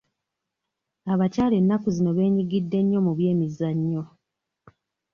Abakyala ennaku zino beenyigidde nnyo mu by'emizannyo